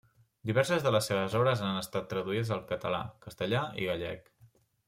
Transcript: Diverses de les seves obres han estat traduïdes al català, castellà i gallec.